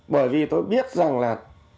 bởi vì tôi biết rằng là